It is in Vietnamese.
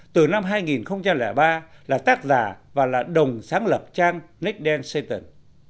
từ năm hai nghìn ba là tác giả và là đồng sáng lập trang net đen satan